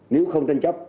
nếu không thanh chấp